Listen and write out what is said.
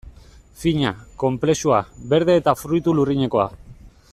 Fina, konplexua, berde eta fruitu lurrinekoa...